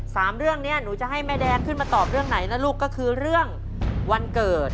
สามเรื่องนี้หนูจะให้แม่แดงขึ้นมาตอบเรื่องไหนนะลูกก็คือเรื่องวันเกิด